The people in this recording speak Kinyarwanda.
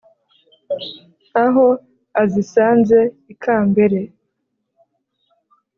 aho azisanze ikambere